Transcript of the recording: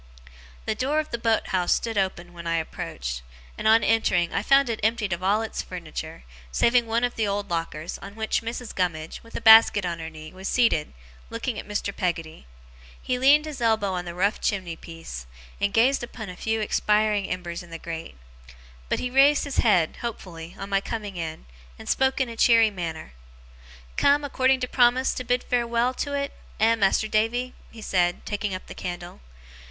The door of the boat house stood open when I approached; and, on entering, I found it emptied of all its furniture, saving one of the old lockers, on which Mrs. Gummidge, with a basket on her knee, was seated, looking at Mr. Peggotty. He leaned his elbow on the rough chimney piece, and gazed upon a few expiring embers in the grate; but he raised his head, hopefully, on my coming in, and spoke in a cheery manner. 'Come, according to promise, to bid farewell to 't, eh, Mas'r Davy?' he said, taking up the candle.